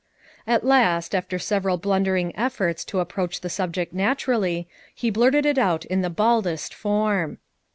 At last, after several blundering efforts to approach the subject naturally, he blurted it out in the baldest form.